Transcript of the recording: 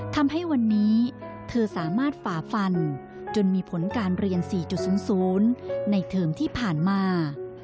ทำให้วันนี้เธอสามารถฝ่าฟันจนมีผลการเรียน๔๐๐ในเทอมที่ผ่านมา